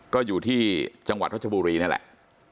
ก็อยู่ที่จังหวัดรัชบุรีนั่นแหละ